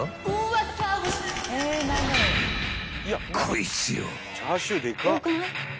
［こいつよ］